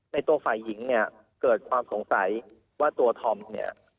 ตัวฝ่ายหญิงเนี่ยเกิดความสงสัยว่าตัวธอมเนี่ย